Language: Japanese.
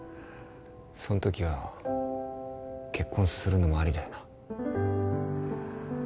その時は結婚するのもありだよな